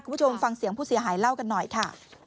คุณผู้ชมฟังเสียงผู้เสียหายเล่ากันหน่อยค่ะ